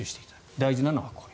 大事なのはこれ。